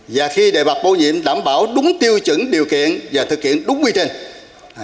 và khi đề bạc bổ nhiệm đảm bảo đúng tiêu chuẩn điều kiện và thực hiện đúng quy trình